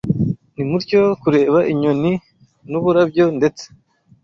Nimutyo kureba inyoni n’uburabyo ndetse